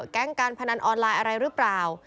แก๊งการพนันออนไลน์อะไรหรือเปล่า